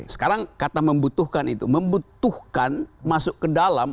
sekarang kata membutuhkan itu membutuhkan masuk ke dalam